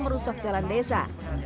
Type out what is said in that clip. merusak jalan desa